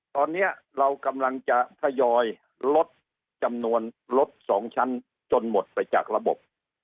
ตอนนี้เรากำลังจะทยอยลดจำนวนรถ๒ชั้นจนหมดไปจากระบบ